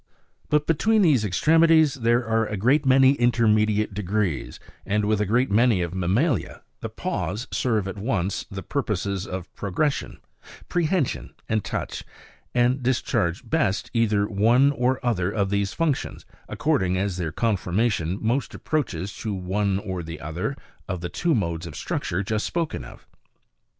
But between these extremes there are a great many intermediate degrees, and with a great many of the mammalia, the paws serve at once the purposes of progression, prehension, and touch, and discharge best, either one or other of these functions, according as their conformation most approaches to one or the other of the two modes of structure, just spoken of.